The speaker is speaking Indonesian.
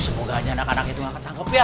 semoga aja anak anak itu gak ketangkep ya